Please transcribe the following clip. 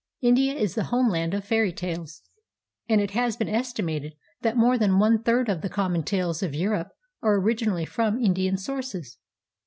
India is the homeland of fair}' tales, and it has been estimated that more than one third of the common tales of Europe are originally from Indian sources.